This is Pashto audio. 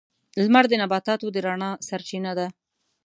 • لمر د نباتاتو د رڼا سرچینه ده.